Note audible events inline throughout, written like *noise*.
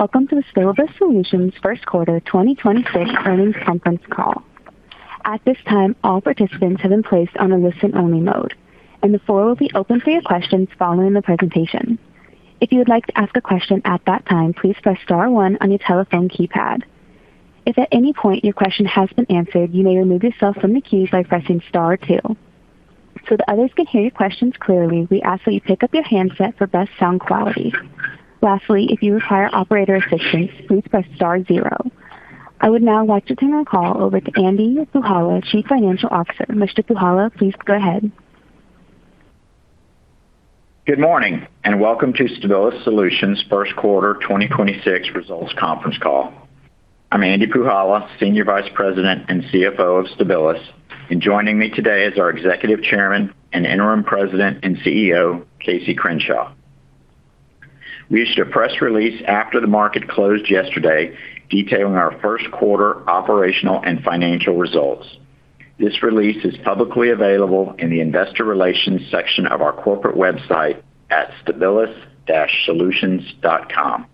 Welcome to the Stabilis Solutions first quarter 2026 earnings conference call. At this time, all participants have been placed in a listen-only mode, and the floor will be open for your questions following the presentation. If you would like to ask a question at that time, please press star one on your telephone keypad. If at any point your question has been answered, you may remove yourself from the queue by pressing star two. So that others can hear your questions clearly, we ask that you pick up your handset for best sound quality. Lastly, if you require operator assistance, please press star zero. I would now like to turn our call over to Andy Puhala, Chief Financial Officer. Mr. Puhala, please go ahead. Good morning, and welcome to Stabilis Solutions first quarter 2026 results conference call. I'm Andy Puhala, Senior Vice President and CFO of Stabilis, and joining me today is our Executive Chairman and Interim President and CEO, Casey Crenshaw. We issued a press release after the market closed yesterday detailing our first quarter operational and financial results. This release is publicly available in the investor relations section of our corporate website at stabilis-solutions.com.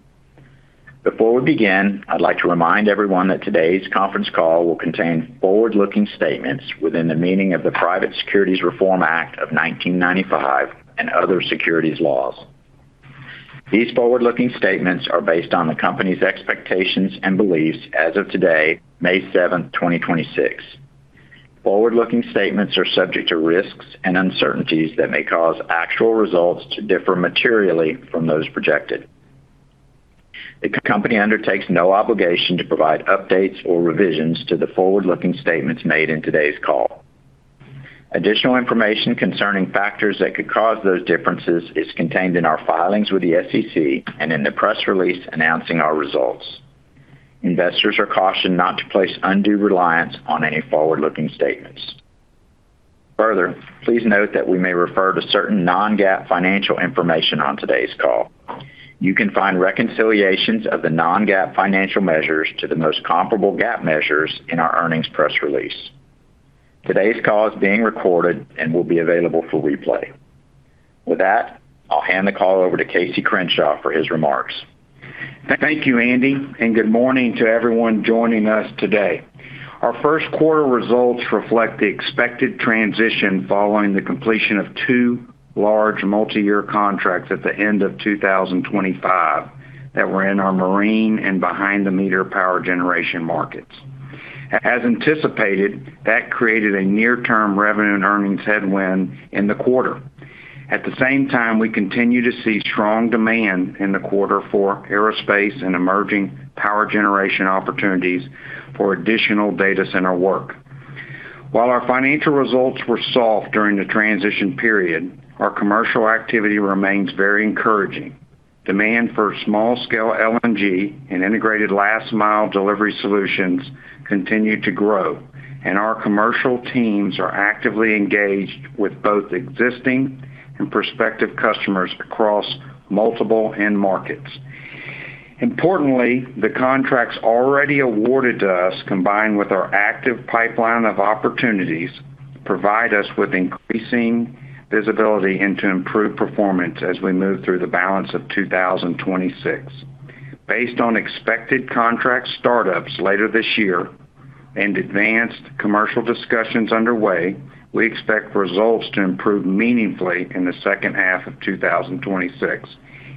Before we begin, I'd like to remind everyone that today's conference call will contain forward-looking statements within the meaning of the Private Securities Reform Act of 1995 and other securities laws. These forward-looking statements are based on the company's expectations and beliefs as of today, May 7th, 2026. Forward-looking statements are subject to risks and uncertainties that may cause actual results to differ materially from those projected. The company undertakes no obligation to provide updates or revisions to the forward-looking statements made in today's call. Additional information concerning factors that could cause those differences is contained in our filings with the SEC and in the press release announcing our results. Investors are cautioned not to place undue reliance on any forward-looking statements. Further, please note that we may refer to certain non-GAAP financial information on today's call. You can find reconciliations of the non-GAAP financial measures to the most comparable GAAP measures in our earnings press release. Today's call is being recorded and will be available for replay. With that, I'll hand the call over to Casey Crenshaw for his remarks. Thank you, Andy. Good morning to everyone joining us today. Our first quarter results reflect the expected transition following the completion of two large multi-year contracts at the end of 2025 that were in our marine and behind-the-meter power generation markets. As anticipated, that created a near-term revenue and earnings headwind in the quarter. At the same time, we continue to see strong demand in the quarter for aerospace and emerging power generation opportunities for additional data center work. While our financial results were soft during the transition period, our commercial activity remains very encouraging. Demand for small-scale LNG and integrated last-mile delivery solutions continue to grow, and our commercial teams are actively engaged with both existing and prospective customers across multiple end markets. Importantly, the contracts already awarded to us, combined with our active pipeline of opportunities, provide us with increasing visibility into improved performance as we move through the balance of 2026. Based on expected contract startups later this year and advanced commercial discussions underway, we expect results to improve meaningfully in the second half of 2026,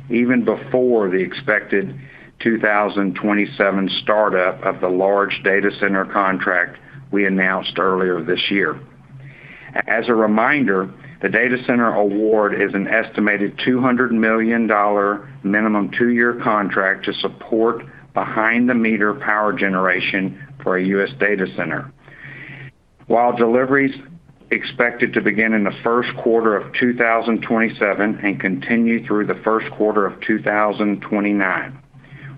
even before the expected 2027 startup of the large data center contract we announced earlier this year. As a reminder, the data center award is an estimated $200 million minimum two-year contract to support behind-the-meter power generation for a U.S. data center. While delivery is expected to begin in the first quarter of 2027 and continue through the first quarter of 2029,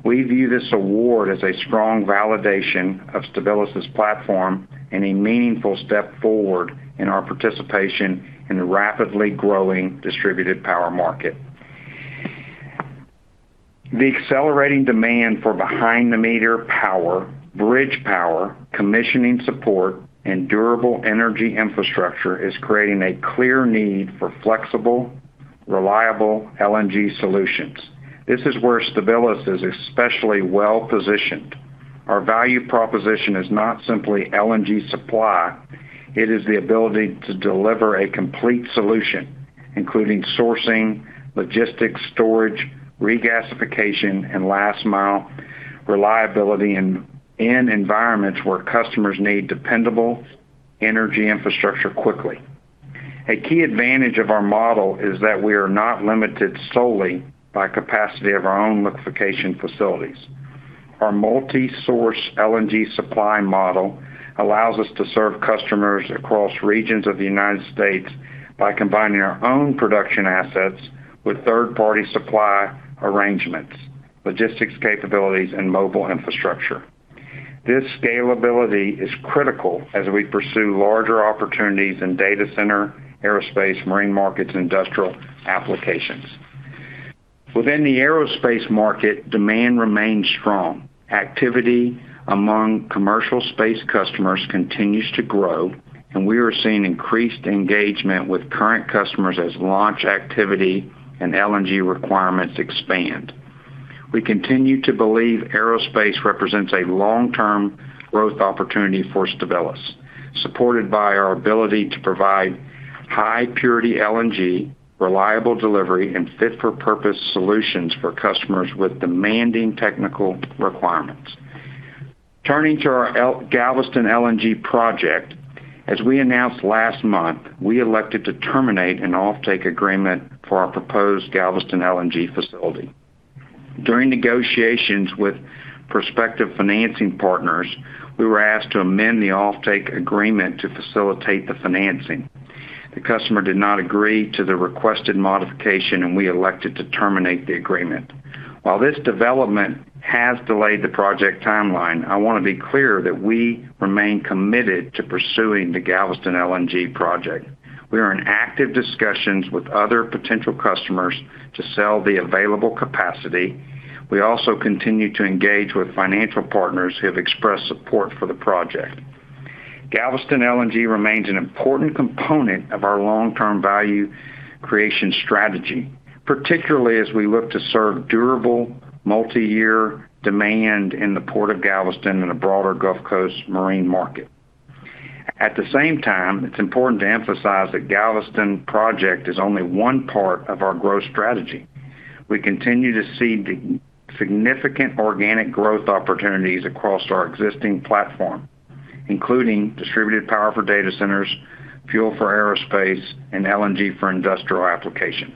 we view this award as a strong validation of Stabilis' platform and a meaningful step forward in our participation in the rapidly growing distributed power market. The accelerating demand for behind-the-meter power, bridge power, commissioning support, and durable energy infrastructure is creating a clear need for flexible, reliable LNG solutions. This is where Stabilis is especially well-positioned. Our value proposition is not simply LNG supply, it is the ability to deliver a complete solution, including sourcing, logistics, storage, regasification, and last-mile reliability in environments where customers need dependable energy infrastructure quickly. A key advantage of our model is that we are not limited solely by capacity of our own liquefaction facilities. Our multi-source LNG supply model allows us to serve customers across regions of the United States by combining our own production assets with third-party supply arrangements, logistics capabilities, and mobile infrastructure. This scalability is critical as we pursue larger opportunities in data center, aerospace, marine markets, and industrial applications. Within the aerospace market, demand remains strong. Activity among commercial space customers continues to grow, and we are seeing increased engagement with current customers as launch activity and LNG requirements expand. We continue to believe aerospace represents a long-term growth opportunity for Stabilis, supported by our ability to provide high purity LNG, reliable delivery, and fit-for-purpose solutions for customers with demanding technical requirements. Turning to our Galveston LNG project. As we announced last month, we elected to terminate an offtake agreement for our proposed Galveston LNG facility. During negotiations with prospective financing partners, we were asked to amend the offtake agreement to facilitate the financing. The customer did not agree to the requested modification, and we elected to terminate the agreement. While this development has delayed the project timeline, I wanna be clear that we remain committed to pursuing the Galveston LNG project. We are in active discussions with other potential customers to sell the available capacity. We also continue to engage with financial partners who have expressed support for the project. Galveston LNG remains an important component of our long-term value creation strategy, particularly as we look to serve durable multi-year demand in the Port of Galveston and the broader Gulf Coast marine market. At the same time, it's important to emphasize that Galveston project is only one part of our growth strategy. We continue to see the significant organic growth opportunities across our existing platform, including distributed power for data centers, fuel for aerospace, and LNG for industrial applications.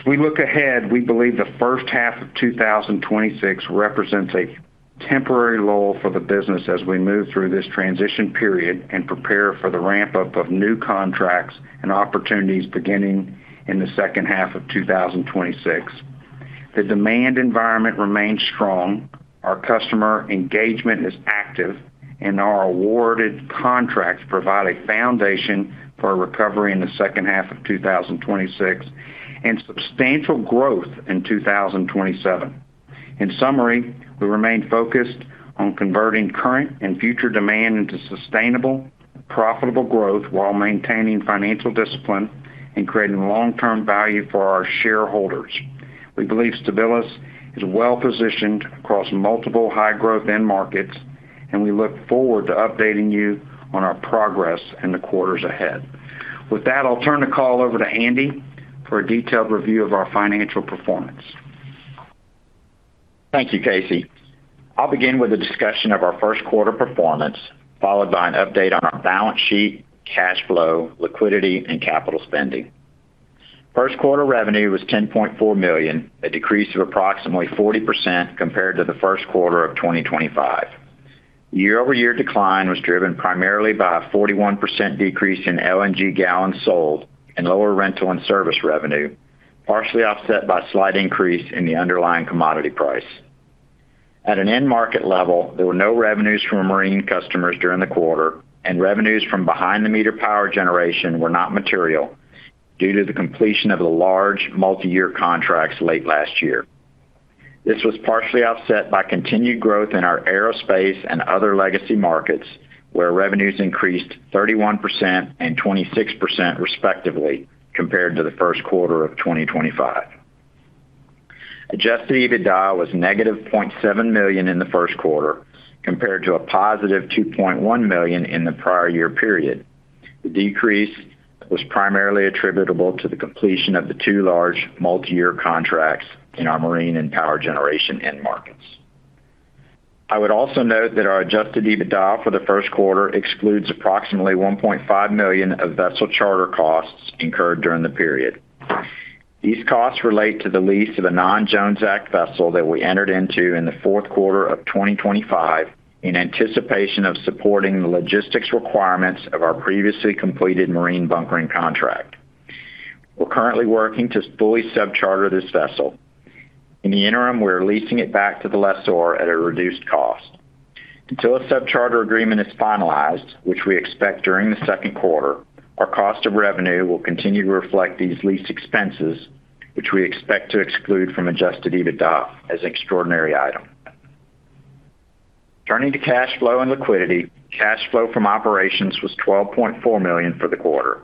As we look ahead, we believe the first half of 2026 represents a temporary lull for the business as we move through this transition period and prepare for the ramp-up of new contracts and opportunities beginning in the second half of 2026. The demand environment remains strong, our customer engagement is active, and our awarded contracts provide a foundation for a recovery in the second half of 2026 and substantial growth in 2027. In summary, we remain focused on converting current and future demand into sustainable, profitable growth while maintaining financial discipline and creating long-term value for our shareholders. We believe Stabilis is well-positioned across multiple high-growth end markets, and we look forward to updating you on our progress in the quarters ahead. With that, I'll turn the call over to Andy for a detailed review of our financial performance. Thank you, Casey. I'll begin with a discussion of our first quarter performance, followed by an update on our balance sheet, cash flow, liquidity, and capital spending. First quarter revenue was $10.4 million, a decrease of approximately 40% compared to the first quarter of 2025. Year-over-year decline was driven primarily by a 41% decrease in LNG gallons sold and lower rental and service revenue, partially offset by a slight increase in the underlying commodity price. At an end market level, there were no revenues from marine customers during the quarter, and revenues from behind-the-meter power generation were not material due to the completion of the large multi-year contracts late last year. This was partially offset by continued growth in our aerospace and other legacy markets, where revenues increased 31% and 26% respectively compared to the first quarter of 2025. Adjusted EBITDA was -$0.7 million in the first quarter compared to a +$2.1 million in the prior year period. The decrease was primarily attributable to the completion of the two large multi-year contracts in our marine and power generation end markets. I would also note that our adjusted EBITDA for the first quarter excludes approximately $1.5 million of vessel charter costs incurred during the period. These costs relate to the lease of a non-Jones Act vessel that we entered into in the fourth quarter of 2025 in anticipation of supporting the logistics requirements of our previously completed marine bunkering contract. We're currently working to fully sub-charter this vessel. In the interim, we're leasing it back to the lessor at a reduced cost. Until a sub-charter agreement is finalized, which we expect during the second quarter, our cost of revenue will continue to reflect these lease expenses, which we expect to exclude from adjusted EBITDA as an extraordinary item. Turning to cash flow and liquidity. Cash flow from operations was $12.4 million for the quarter.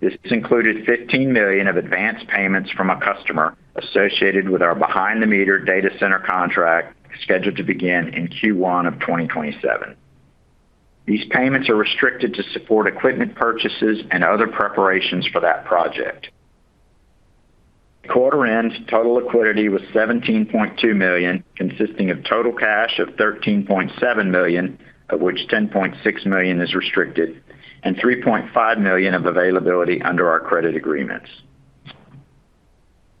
This included $15 million of advanced payments from a customer associated with our behind-the-meter data center contract scheduled to begin in Q1 of 2027. These payments are restricted to support equipment purchases and other preparations for that project. Quarter-end total liquidity was $17.2 million, consisting of total cash of $13.7 million, of which $10.6 million is restricted, and $3.5 million of availability under our credit agreements.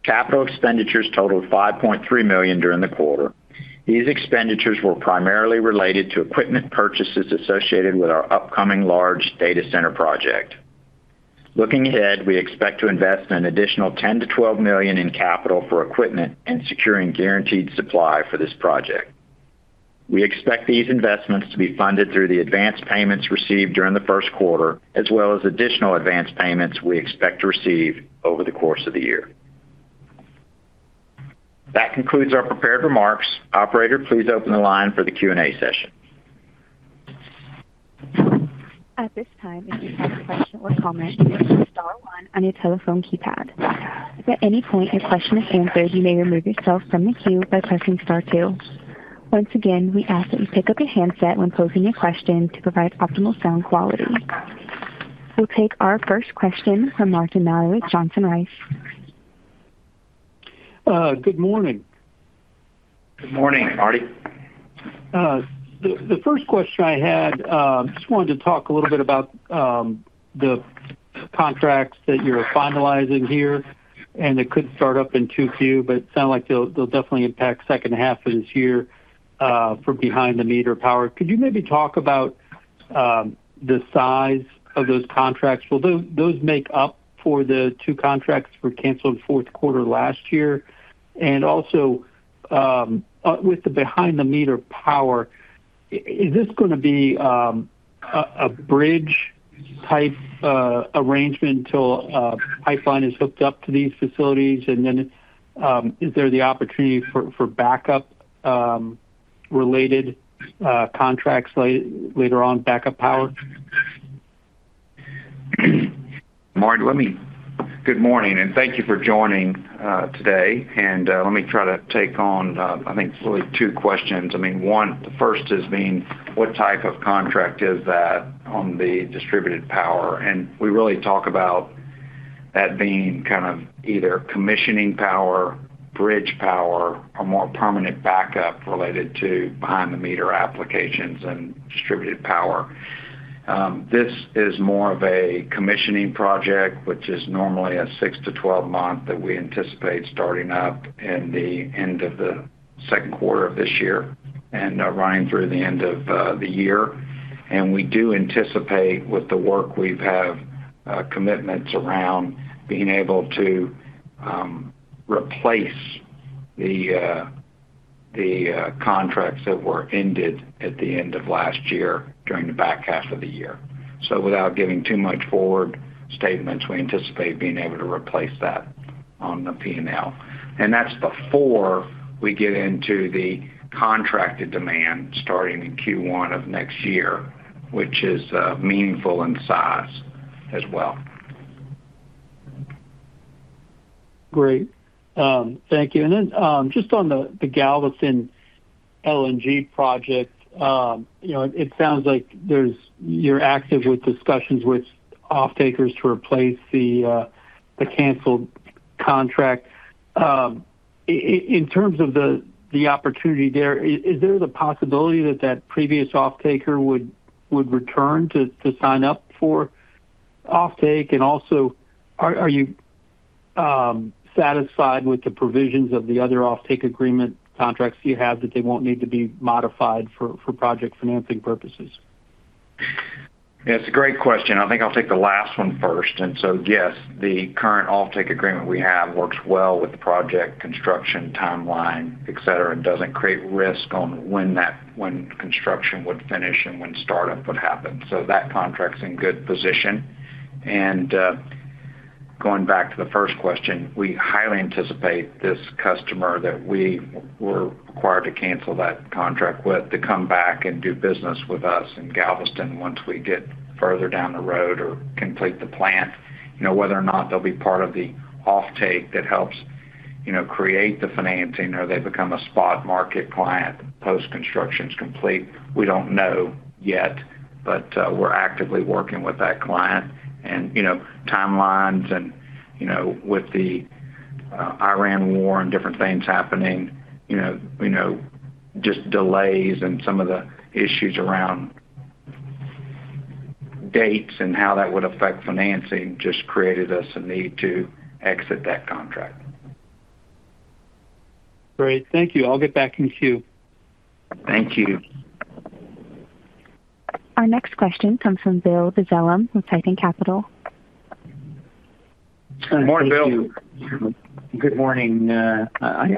Capital expenditures totaled $5.3 million during the quarter. These expenditures were primarily related to equipment purchases associated with our upcoming large data center project. Looking ahead, we expect to invest an additional $10 million-$12 million in capital for equipment and securing guaranteed supply for this project. We expect these investments to be funded through the advanced payments received during the first quarter, as well as additional advanced payments we expect to receive over the course of the year. That concludes our prepared remarks. Operator, please open the line for the Q&A session. At this time, if you have a question or comment, you may press star one on your telephone keypad. If at any point your question is answered, you may remove yourself from the queue by pressing star two. Once again, we ask that you pick up your handset when posing a question to provide optimal sound quality. We'll take our first question from Martin Malloy with Johnson Rice. Good morning. Good morning, Marty. The first question I had, just wanted to talk a little bit about the contracts that you're finalizing here, and it could start up in 2Q, but it sounds like they'll definitely impact second half of this year for behind-the-meter power. Could you maybe talk about the size of those contracts? Will those make up for the two contracts for canceled fourth quarter last year? Also, with the behind-the-meter power, is this gonna be a bridge-type arrangement till pipeline is hooked up to these facilities? Is there the opportunity for backup-related contracts later on, backup power? Marty, good morning, and thank you for joining today. Let me try to take on, I think it's really two questions. I mean, one, the first is being what type of contract is that on the distributed power? We really talk about that being kind of either commissioning power, bridge power, or more permanent backup related to behind-the-meter applications and distributed power. This is more of a commissioning project, which is normally a six- to 12-month that we anticipate starting up in the end of the second quarter of this year and running through the end of the year. We do anticipate with the work we have commitments around being able to replace the contracts that were ended at the end of last year during the back half of the year. Without giving too much forward statements, we anticipate being able to replace that on the P&L. That's before we get into the contracted demand starting in Q1 of next year, which is meaningful in size as well. Great. Thank you. Just on the Galveston LNG project, you know, it sounds like you're active with discussions with offtakers to replace the canceled contract. In terms of the opportunity there, is there the possibility that that previous offtaker would return to sign up for offtake? Also, are you satisfied with the provisions of the other offtake agreement contracts you have that they won't need to be modified for project financing purposes? Yeah. It's a great question. I think I'll take the last one first. Yes, the current offtake agreement we have works well with the project construction timeline, et cetera, and doesn't create risk on when construction would finish and when startup would happen. That contract's in good position. Going back to the first question, we highly anticipate this customer that we were required to cancel that contract with to come back and do business with us in Galveston once we get further down the road or complete the plant. You know, whether or not they'll be part of the offtake that helps, you know, create the financing or they become a spot market client post-construction's complete, we don't know yet. But we're actively working with that client and, you know, timelines and, you know, with the Iran war and different things happening, you know, just delays and some of the issues around dates and how that would affect financing just created us a need to exit that contract. Great. Thank you. I'll get back in queue. Thank you. Our next question comes from Bill Dezellem with Tieton Capital. Morning, Bill. Good morning. I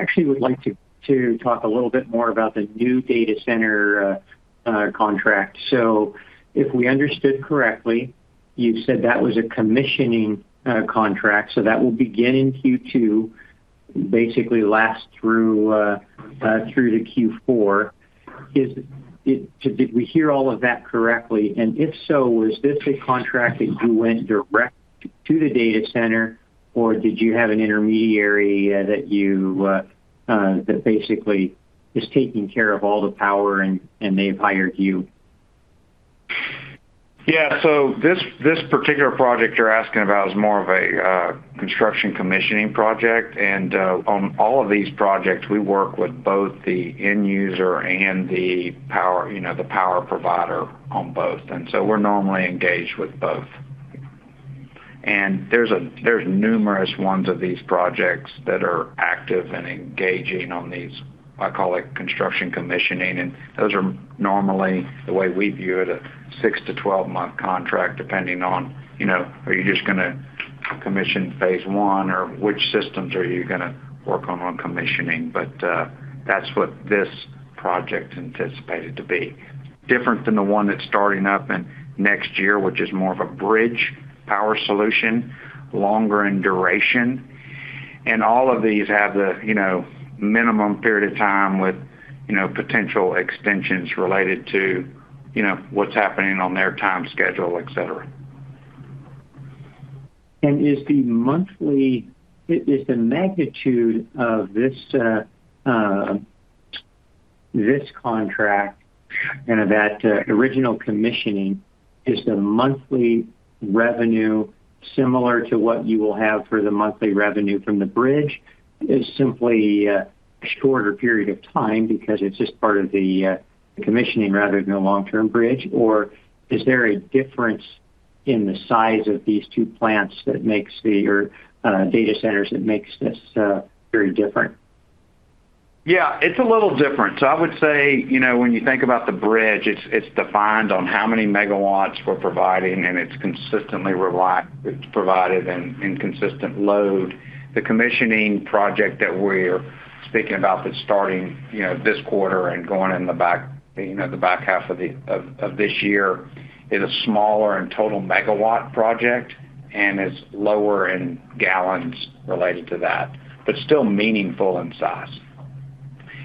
actually would like to talk a little bit more about the new data center contract. If we understood correctly, you said that was a commissioning contract, so that will begin in Q2, basically last through to Q4. Did we hear all of that correctly? If so, was this a contract that you went direct to the data center, or did you have an intermediary that you, that basically is taking care of all the power and they've hired you? Yeah. This particular project you're asking about is more of a construction commissioning project. On all of these projects, we work with both the end user and the power, you know, the power provider on both, so we're normally engaged with both. There's numerous ones of these projects that are active and engaging on these, I call it construction commissioning. Those are normally, the way we view it, a six- to 12-month contract depending on, you know, are you just gonna commission phase one or which systems are you gonna work on on commissioning, but that's what this project anticipated to be, different than the one that's starting up in next year, which is more of a bridge power solution, longer in duration. All of these have the, you know, minimum period of time with, you know, potential extensions related to, you know, what's happening on their time schedule, et cetera. And is the monthly, is the magnitude of this contract and that original commissioning, is the monthly revenue similar to what you will have for the monthly revenue from the bridge? Is simply a shorter period of time because it's just part of the commissioning rather than a long-term bridge, or is there a difference in the size of these two plants that makes the, or data centers that makes this very different? Yeah, it's a little different. I would say, you know, when you think about the bridge, it's defined on how many megawatts we're providing, and it's consistently provided and in consistent load. The commissioning project that we're speaking about that's starting, you know, this quarter and going in the back, you know, the back half of this year is a smaller in total megawatt project, and it's lower in gallons related to that, but still meaningful in size.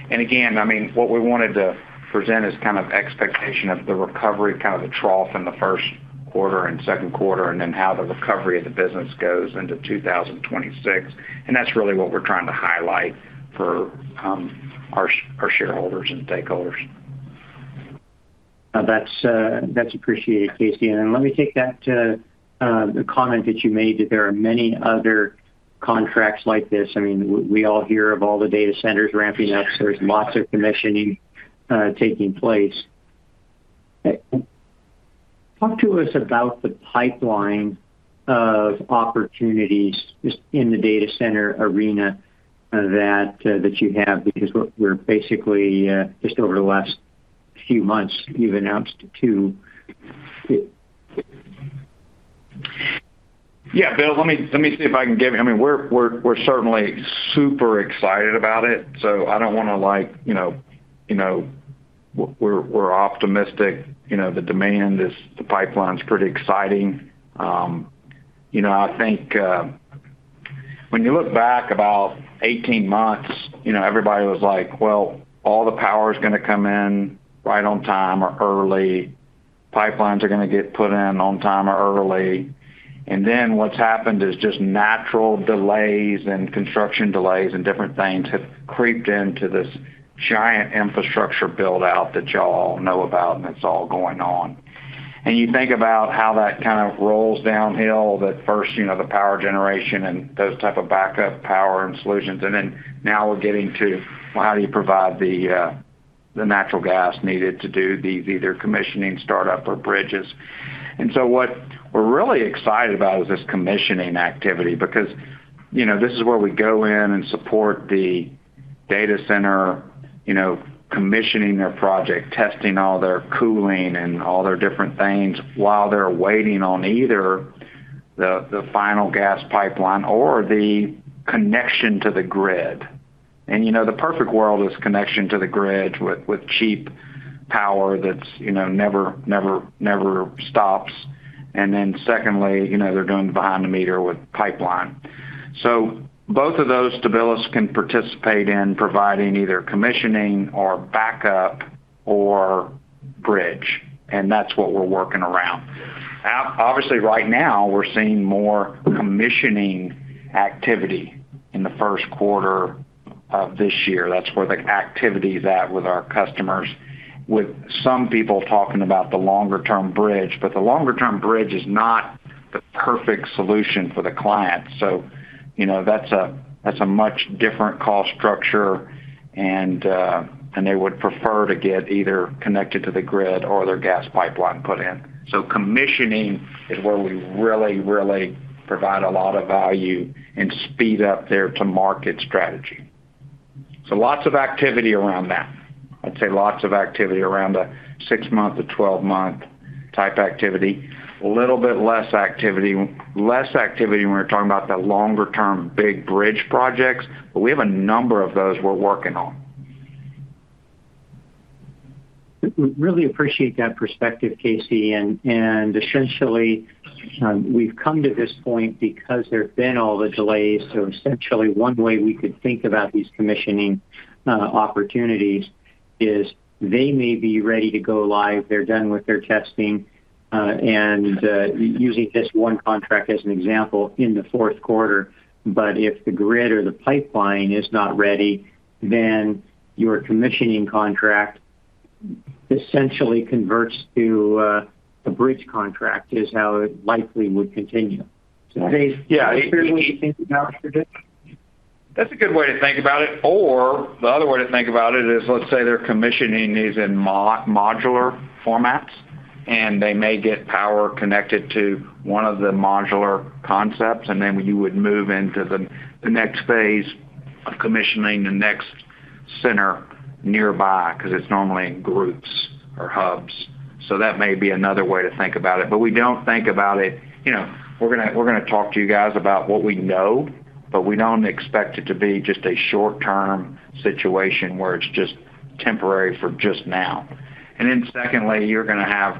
Again, I mean, what we wanted to present is kind of expectation of the recovery, kind of the trough in the first quarter and second quarter, and then how the recovery of the business goes into 2026. That's really what we're trying to highlight for our shareholders and stakeholders. That's appreciated, Casey. Let me take that, the comment that you made that there are many other contracts like this. I mean, we all hear of all the data centers ramping up, so there's lots of commissioning taking place. Talk to us about the pipeline of opportunities just in the data center arena, that you have because we're basically, just over the last few months, you've announced two. Yeah, Bill, let me see if I can give you, I mean, we're certainly super excited about it, so I don't wanna like, you know, you know, we're optimistic. You know, the demand is, the pipeline's pretty exciting. You know, I think, when you look back about 18 months, you know, everybody was like, "Well, all the power's gonna come in right on time or early. Pipelines are gonna get put in on time or early." Then, what's happened is just natural delays and construction delays and different things have creeped into this giant infrastructure build-out that y'all know about, and it's all going on. You think about how that kind of rolls downhill, that first, you know, the power generation and those type of backup power and solutions, now we're getting to, well, how do you provide the natural gas needed to do these either commissioning, startup, or bridges? So, what we're really excited about is this commissioning activity because, you know, this is where we go in and support the data center, you know, commissioning their project, testing all their cooling and all their different things while they're waiting on either the final gas pipeline or the connection to the grid. You know, the perfect world is connection to the grid with cheap power that's, you know, never stops. Secondly, you know, they're doing behind-the-meter with pipeline. Both of those, Stabilis can participate in providing either commissioning or backup or bridge, and that's what we're working around. Obviously, right now we're seeing more commissioning activity in the first quarter of this year, that's where the activity is at with our customers, with some people talking about the longer-term bridge. But the longer-term bridge is not the perfect solution for the client, so, you know, that's a, that's a much different cost structure and they would prefer to get either connected to the grid or their gas pipeline put in. Commissioning is where we really, really provide a lot of value and speed up their to-market strategy. So, lots of activity around that. I'd say lots of activity around the six-month to 12-month type activity. A little bit less activity when we're talking about the longer-term big bridge projects, but we have a number of those we're working on. We really appreciate that perspective, Casey. Essentially, we've come to this point because there've been all the delays. So, essentially one way we could think about these commissioning opportunities is they may be ready to go live, they're done with their testing, and using this one contract as an example in the fourth quarter. But if the grid or the pipeline is not ready, then your commissioning contract essentially converts to a bridge contract is how it likely would continue. Is that accurate? Yeah. Is that a fair way to think about it? That's a good way to think about it. Or the other way to think about it is, let's say they're commissioning these in modular formats, and they may get power connected to one of the modular concepts, and then you would move into the next phase of commissioning the next center nearby, because it's normally in groups or hubs. So, that may be another way to think about it, but we don't think about it, you know, we're gonna talk to you guys about what we know, but we don't expect it to be just a short-term situation where it's just temporary for just now. Secondly, you're gonna have,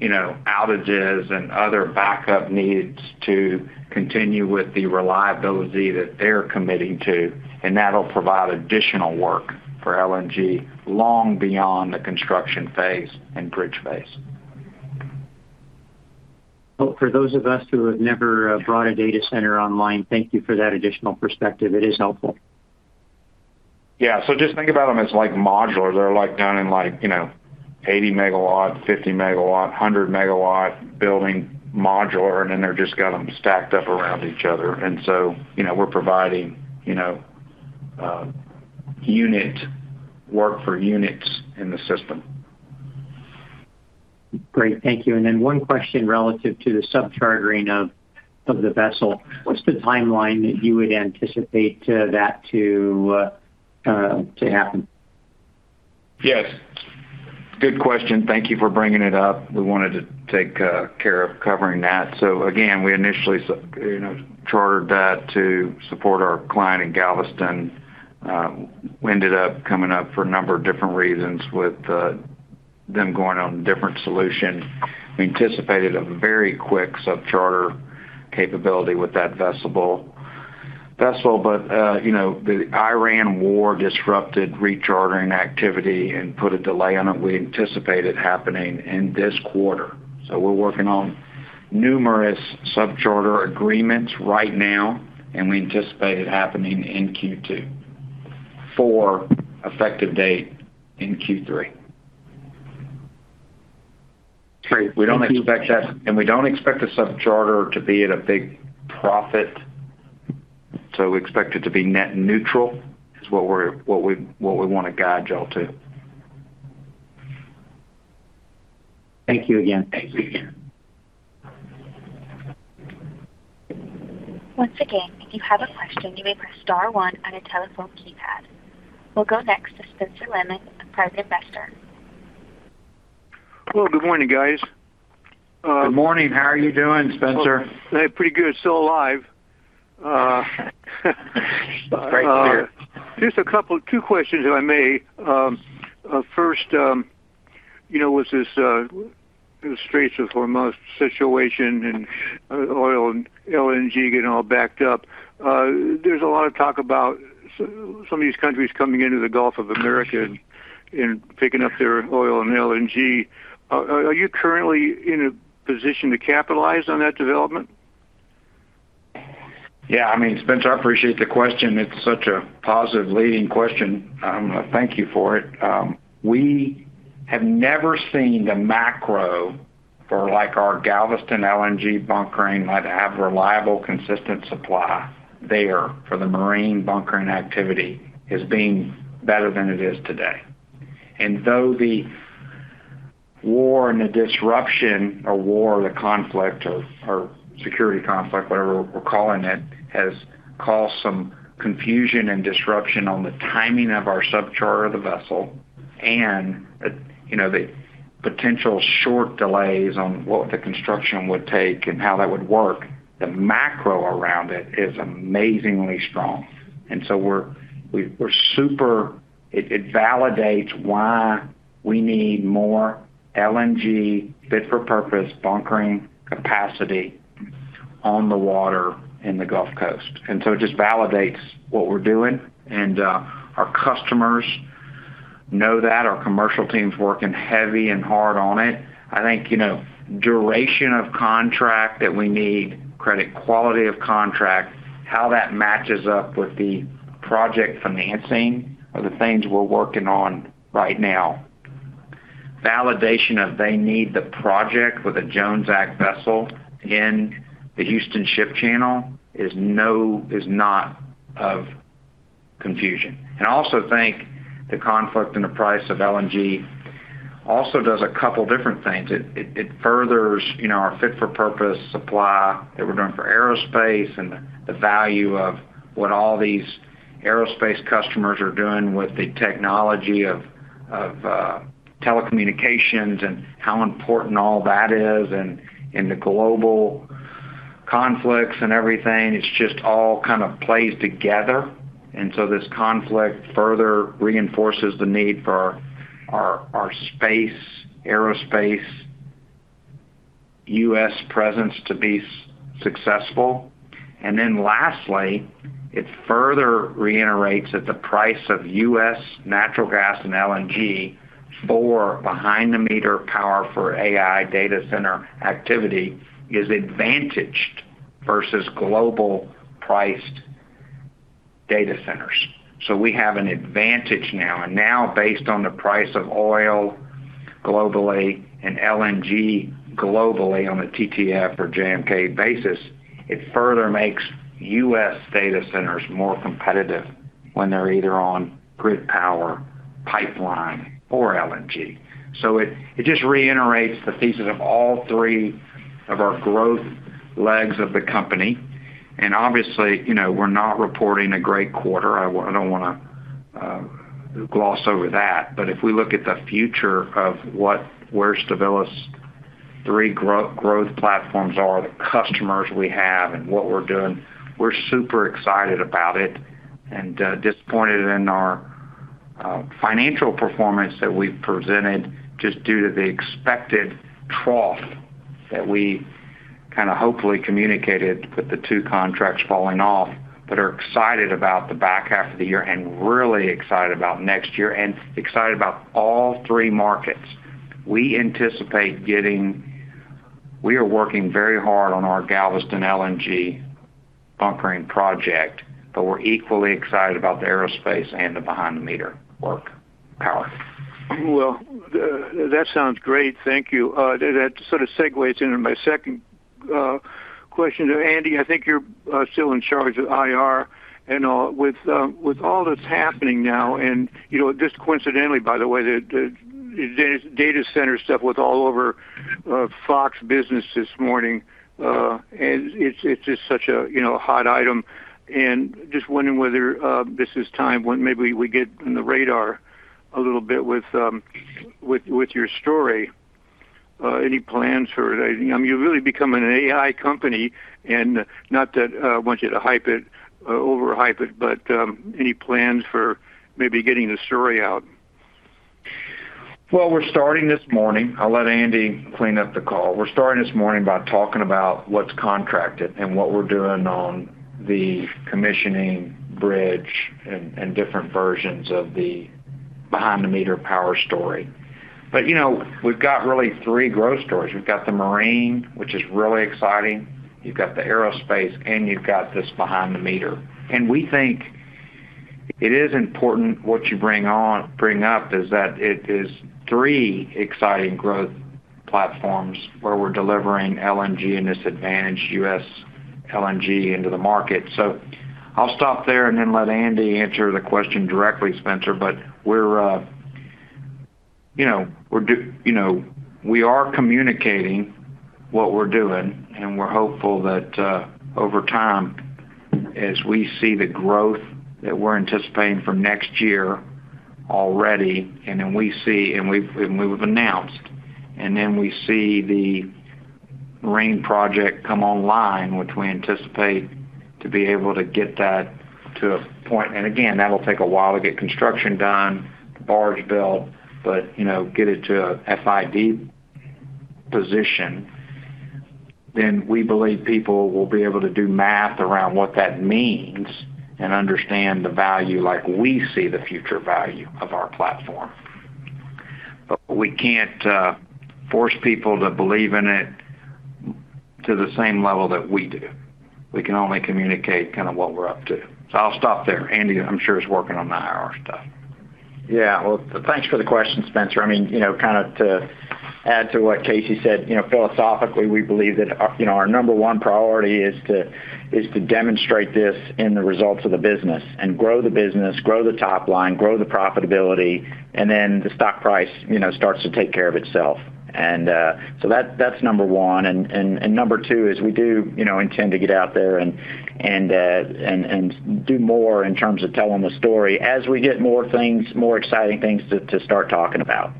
you know, outages and other backup needs to continue with the reliability that they're committing to, and that'll provide additional work for LNG long beyond the construction phase and bridge phase. Well, for those of us who have never brought a data center online, thank you for that additional perspective, it is helpful. Yeah. Just think about them as like modular, they're like done in like, you know, 80 MW, 50 MW, 100 MW building modular, and they've just got them stacked up around each other. You know, we're providing, you know, unit work for units in the system. Great. Thank you. Then one question relative to the sub-chartering of the vessel. What's the timeline that you would anticipate to that to happen? Yes. Good question. Thank you for bringing it up. We wanted to take care of covering that. Again, we initially, you know, chartered that to support our client in Galveston. We ended up coming up for a number of different reasons with them going on different solution. We anticipated a very quick sub-charter capability with that vessel, but you know, the Iran war disrupted rechartering activity and put a delay on it. We anticipated happening in this quarter, so we're working on numerous sub-charter agreements right now, and we anticipate it happening in Q2 for effective date in Q3. Great. Thank you. We don't expect the sub-charter to be at a big profit, so we expect it to be net neutral is what we wanna guide y'all to. Thank you again, Casey. Thank you. Once again, if you have a question, you may press star one on your telephone keypad. We'll go next to [Spencer Lehman], a private investor. Well, good morning, guys. Good morning. How are you doing, Spencer? I'm pretty good. Still alive. Great to hear. Just two questions, if I may. First, you know, with this, the Straits of Hormuz situation and oil and LNG getting all backed up, there's a lot of talk about some of these countries coming into the Gulf of America and picking up their oil and LNG. Are you currently in a position to capitalize on that development? Yeah, I mean, Spencer, I appreciate the question. It's such a positive leading question, thank you for it. We have never seen the macro for like our Galveston LNG bunkering, like to have reliable, consistent supply there for the marine bunkering activity as being better than it is today. Though the war and the disruption of war, the conflict or security conflict, whatever we're calling it, has caused some confusion and disruption on the timing of our sub-charter of the vessel and, you know, the potential short delays on what the construction would take and how that would work, the macro around it is amazingly strong. And so, we're super, it validates why we need more LNG fit-for-purpose bunkering capacity on the water in the Gulf Coast. It just validates what we're doing, and our customers know that. Our commercial team's working heavy and hard on it. I think, you know, duration of contract that we need, credit quality of contract, how that matches up with the project financing are the things we're working on right now. Validation of they need the project with a Jones Act vessel in the Houston Ship Channel is not of confusion. I also think the conflict in the price of LNG also does a couple different things. It furthers, you know, our fit-for-purpose supply that we're doing for aerospace and the value of what all these aerospace customers are doing with the technology of telecommunications and how important all that is and the global conflicts and everything, it's just all kind of plays together. So, this conflict further reinforces the need for our space, aerospace, U.S. presence to be successful. Lastly, it further reiterates that the price of U.S. natural gas and LNG for behind-the-meter power for AI data center activity is advantaged versus global priced data centers. So, we have an advantage now. Now, based on the price of oil globally and LNG globally on a TTF or JKM basis, it further makes U.S. data centers more competitive when they're either on grid power, pipeline or LNG. It just reiterates the thesis of all three of our growth legs of the company, and obviously, you know, we're not reporting a great quarter, I don't wanna gloss over that. But if we look at the future of where Stabilis's three growth platforms are, the customers we have, and what we're doing, we're super excited about it and disappointed in our financial performance that we've presented just due to the expected trough that we kind of hopefully communicated with the two contracts falling off. But we're excited about the back half of the year and really excited about next year, and excited about all three markets. We anticipate getting, we are working very hard on our Galveston LNG bunkering project, but we're equally excited about the aerospace and the behind-the-meter work power. Well, that sounds great, thank you. That sort of segues into my second question to Andy. I think you're still in charge of IR and all. With all that's happening now and, you know, just coincidentally, by the way, the data center stuff was all over Fox Business this morning. And it's just such a, you know, hot item and just wondering whether this is time when maybe we get on the radar a little bit with your story. Any plans for that? I mean, you're really becoming an AI company and not that I want you to hype it or overhype it, but any plans for maybe getting the story out? Well, we're starting this morning. I'll let Andy clean up the call. We're starting this morning by talking about what's contracted and what we're doing on the commissioning bridge and different versions of the behind-the-meter power story. You know, we've got really three growth stories. We've got the marine, which is really exciting, you've got the aerospace, and you've got this behind-the-meter. We think it is important what you bring up is that it is three exciting growth platforms where we're delivering LNG and this advantaged U.S. LNG into the market. I'll stop there and then let Andy answer the question directly, Spencer. But we're, you know, we are communicating what we're doing, and we're hopeful that over time, as we see the growth that we're anticipating for next year already, and then we see and we've announced, and then we see the marine project come online, which we anticipate to be able to get that to a point, and again, that'll take a while to get construction done, the barge built, but, you know, get it to a FID position. We believe people will be able to do math around what that means and understand the value like we see the future value of our platform. We can't force people to believe in it to the same level that we do. We can only communicate kind of what we're up to. I'll stop there. Andy, I'm sure, is working on the IR stuff. Yeah. Well, thanks for the question, Spencer. I mean, you know, kind of to add to what Casey said, you know, philosophically, we believe that our, you know, our number one priority is to demonstrate this in the results of the business and grow the business, grow the top line, grow the profitability, and then the stock price, you know, starts to take care of itself. So, that's number one, and number two is we do, you know, intend to get out there and do more in terms of telling the story as we get more things, more exciting things to start talking about.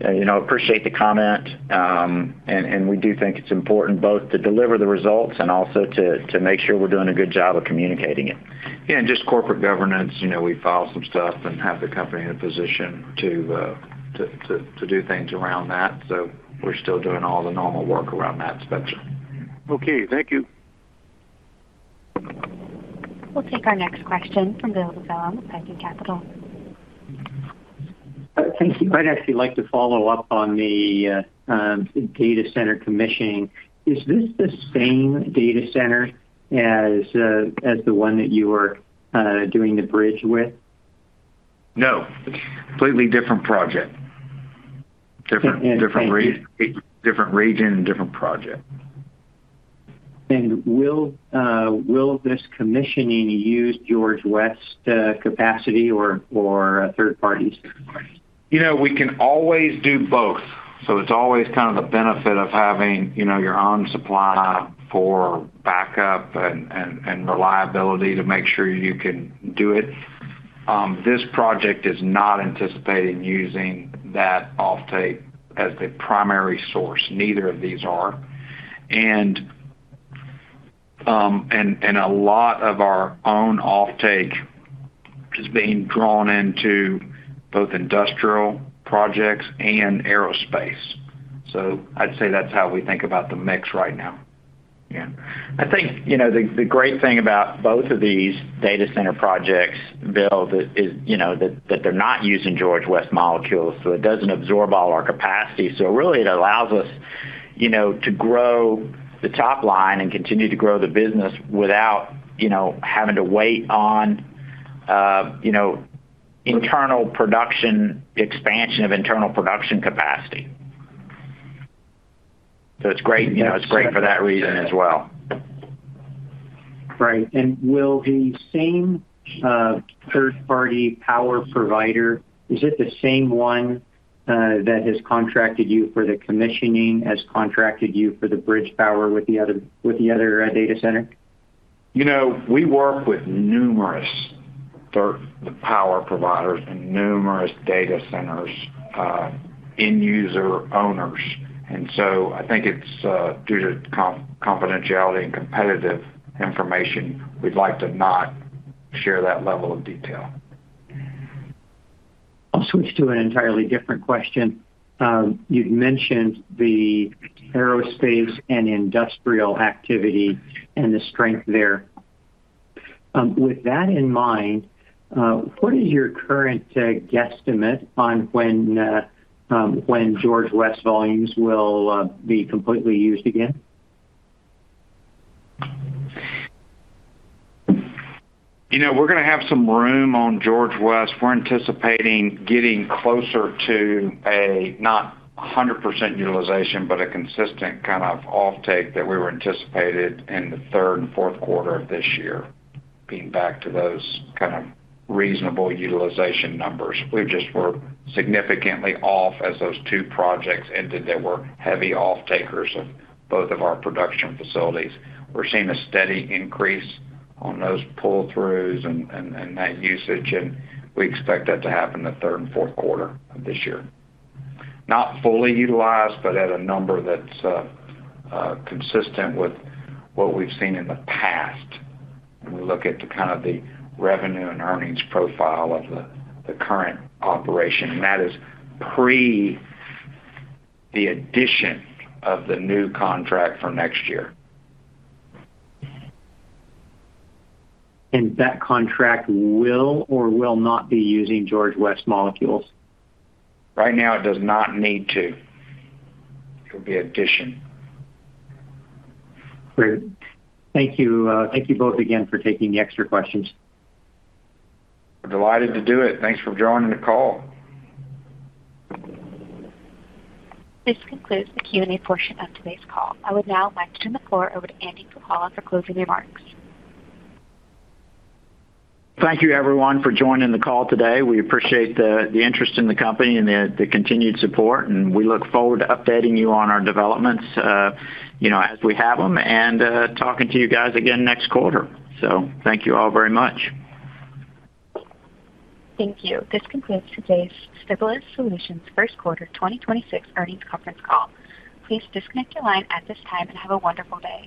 You know, appreciate the comment, and we do think it's important both to deliver the results and also to make sure we're doing a good job of communicating it. And just corporate governance, you know, we file some stuff and have the company in a position to do things around that. We're still doing all the normal work around that spectrum. Okay. Thank you. We'll take our next question from Bill Dezellem with Tieton Capital. Thank you. I'd actually like to follow up on the data center commissioning. Is this the same data center as the one that you were doing the bridge with? No, completely different project. *crosstalk* Different region and different project. Will this commissioning use George West capacity or a third party's capacity? You know, we can always do both. It's always kind of the benefit of having, you know, your own supply for backup and reliability to make sure you can do it. This project is not anticipating using that offtake as the primary source. Neither of these are. A lot of our own offtake is being drawn into both industrial projects and aerospace. I'd say that's how we think about the mix right now. Yeah. I think, you know, the great thing about both of these data center projects, Bill, that is, you know, that they're not using George West molecules, so it doesn't absorb all our capacity. So, really, it allows us, you know, to grow the top line and continue to grow the business without, you know, having to wait on, you know, internal production expansion of internal production capacity. It's great, you know, it's great for that reason as well. Right. Will the same, third-party power provider, is it the same one, that has contracted you for the commissioning, has contracted you for the bridge power with the other, with the other data center? You know, we work with numerous power providers and numerous data centers, end user owners. I think it's due to confidentiality and competitive information, we'd like to not share that level of detail. I'll switch to an entirely different question. You've mentioned the aerospace and industrial activity and the strength there. With that in mind, what is your current guesstimate on when George West volumes will be completely used again? You know, we're gonna have some room on George West. We're anticipating getting closer to a not 100% utilization, but a consistent kind of offtake that we were anticipated in the third and fourth quarter of this year, being back to those kind of reasonable utilization numbers. We just were significantly off as those two projects ended that were heavy offtakers of both of our production facilities. We're seeing a steady increase on those pull-throughs and that usage, and we expect that to happen the third and fourth quarter of this year. Not fully utilized, but at a number that's consistent with what we've seen in the past when we look at the kind of the revenue and earnings profile of the current operation. That is pre the addition of the new contract for next year. And that contract will or will not be using George West molecules? Right now, it does not need to. It'll be addition. Great. Thank you. Thank you both again for taking the extra questions. We're delighted to do it. Thanks for joining the call. This concludes the Q&A portion of today's call. I would now like to turn the floor over to Andy Puhala for closing remarks. Thank you everyone for joining the call today. We appreciate the interest in the company and the continued support, and we look forward to updating you on our developments, you know, as we have them, and talking to you guys again next quarter. Thank you all very much. Thank you. This concludes today's Stabilis Solutions first quarter 2026 earnings conference call. Please disconnect your line at this time and have a wonderful day.